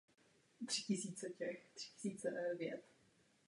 Na jihovýchodní křídlo navazuje obytný dům se zjednodušenou podobou zámeckým fasád.